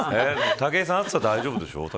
武井さんは暑さ大丈夫でしょ。